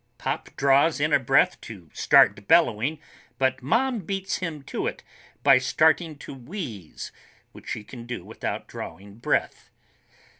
Pop draws in a breath to start bellowing, but Mom beats him to it by starting to wheeze, which she can do without drawing breath.